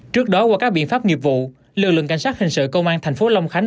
trước đó qua các biện pháp nghiệp vụ lực lượng cảnh sát hình sự công an thành phố long khánh